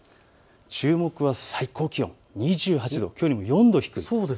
注目が最高気温２８度きょうよりも４度低い。